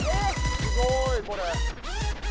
すごいこれ。